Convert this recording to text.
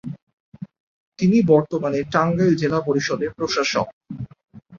তিনি বর্তমানে টাঙ্গাইল জেলা পরিষদের প্রশাসক।